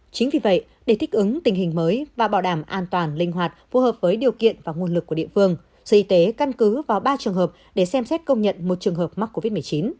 chính vì vậy để thích ứng tình hình mới và bảo đảm an toàn linh hoạt phù hợp với điều kiện và nguồn lực của địa phương sở y tế căn cứ vào ba trường hợp để xem xét công nhận một trường hợp mắc covid một mươi chín